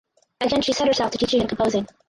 Again she set herself to teaching and composing.